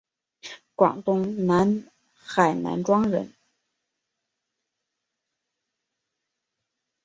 广东南海南庄人。